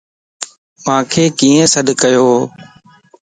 مانک ڪين سڏڪيووَ؟